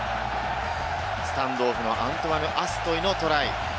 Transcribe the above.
スタンドオフのアントワンヌ・アストイのトライ。